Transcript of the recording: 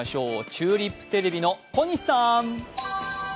チューリップテレビの小西さーん。